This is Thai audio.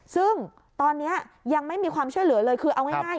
ซึ่งตอนนี้ยังไม่มีความช่วยเหลือเลยคือเอาง่าย